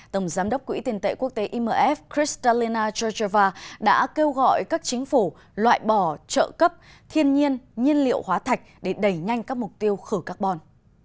tổng giám đốc quỹ tiền tệ quốc tế imf christalela geva đã kêu gọi các chính phủ loại bỏ trợ cấp thiên nhiên nhiên liệu hóa thạch để đẩy nhanh các mục tiêu khởi carbon